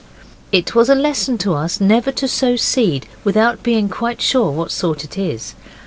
It was a lesson to us never to sow seed without being quite sure what sort it is.